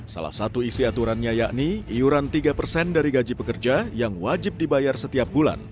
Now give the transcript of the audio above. salah satu isi aturannya yakni iuran tiga persen dari gaji pekerja yang wajib dibayar setiap bulan